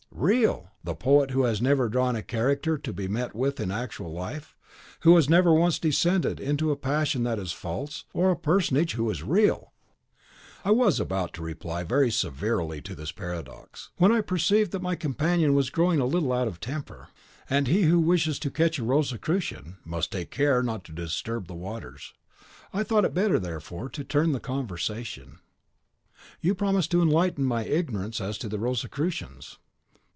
"Real! The poet who has never once drawn a character to be met with in actual life, who has never once descended to a passion that is false, or a personage who is real!" I was about to reply very severely to this paradox, when I perceived that my companion was growing a little out of temper. And he who wishes to catch a Rosicrucian, must take care not to disturb the waters. I thought it better, therefore, to turn the conversation. "Revenons a nos moutons," said I; "you promised to enlighten my ignorance as to the Rosicrucians."